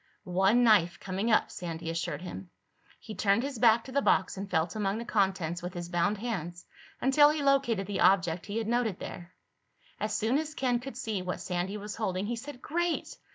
"One knife coming up," Sandy assured him. He turned his back to the box and felt among the contents with his bound hands until he located the object he had noted there. As soon as Ken could see what Sandy was holding he said, "Great!